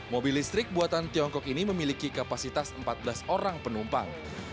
mobil listrik buatan tiongkok ini memiliki kapasitas empat belas orang penumpang